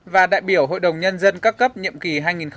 và đại biểu hội đồng nhân dân các cấp nhiệm kỳ hai nghìn một mươi sáu